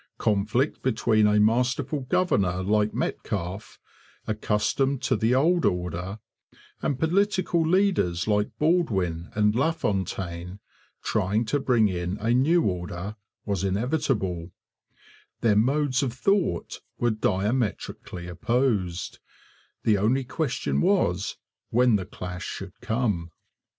Conflict between a masterful governor like Metcalfe, accustomed to the old order, and political leaders like Baldwin and LaFontaine, trying to bring in a new order, was inevitable; their modes of thought were diametrically opposed; the only question was when the clash should come.